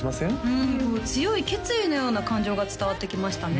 うんこう強い決意のような感情が伝わってきましたね